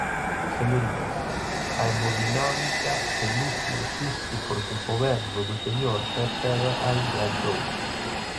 Señorías, a hemodinámica de Lugo existe porque o Goberno do señor Cerceda a implantou.